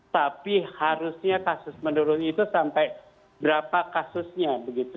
tapi harusnya kasus menurun itu sampai berapa kasusnya begitu